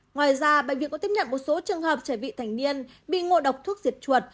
ngoài ra bệnh viện có tiếp nhận một số trường hợp trẻ vị thành niên bị ngộ độc thuốc diệt chuột